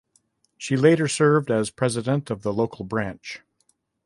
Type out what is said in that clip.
She later served as president of the local branch.